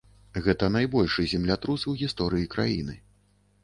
Гэта найбольшы землятрус у гісторыі краіны.